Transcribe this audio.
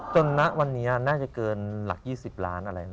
ณวันนี้น่าจะเกินหลัก๒๐ล้านอะไร